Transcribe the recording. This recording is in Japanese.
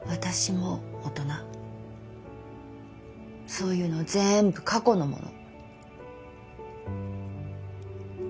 そういうの全部過去のもの。